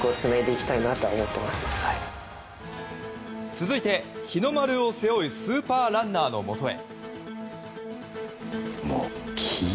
続いて、日の丸を背負うスーパーランナーのもとへ。